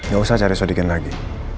gak usah cari sadikin lagi